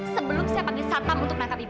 sebelum saya pakai satam untuk menangkap ibu